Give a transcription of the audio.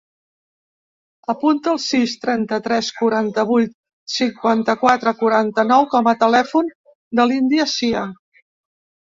Apunta el sis, trenta-tres, quaranta-vuit, cinquanta-quatre, quaranta-nou com a telèfon de l'Índia Cia.